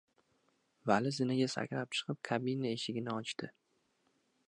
Vali zinaga sakrab chiqib kabina eshigini ochdi.